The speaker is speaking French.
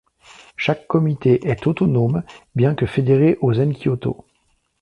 Chaque comité est autonome, bien que fédéré au Zenkyoto.